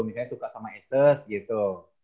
misalnya suka sama isis gitu